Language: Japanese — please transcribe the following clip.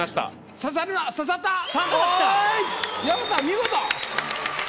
見事。